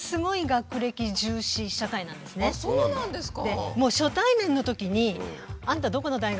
あっそうなんですか。